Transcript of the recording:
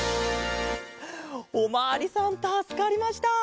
おまわりさんたすかりました。